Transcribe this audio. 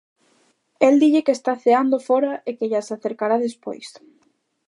El dille que está ceando fóra e que llas acercará despois.